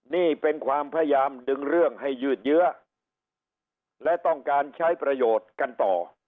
นี่เป็นความพยายามดึงเรื่องให้ยืดเยื้อและต้องการใช้ประโยชน์กันต่อ